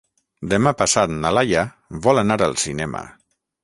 Demà passat na Laia vol anar al cinema.